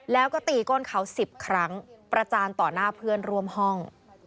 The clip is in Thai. แล้วก็ตีก้นเขา๑๐ครั้งประจานต่อหน้าเพื่อนร่วมห้อง